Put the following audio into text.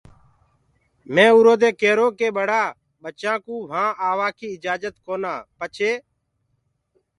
مي اُرو دي ڪيرو ڪي ٻڙآ ٻچآنٚ ڪوُ وهآنٚ آوآڪيٚ اِجآجت ڪونآ پڇي